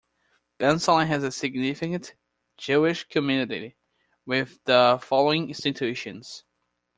Bensalem has a significant Jewish community, with the following institutions.